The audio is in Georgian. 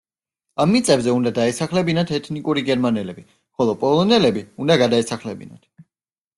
ამ მიწებზე უნდა დაესახლებინათ ეთნიკური გერმანელები, ხოლო პოლონელები უნდა გადაესახლებინათ.